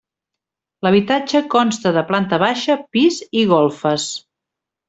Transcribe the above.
L'habitatge consta de planta baixa, pis i golfes.